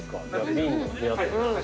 瓶のやつ。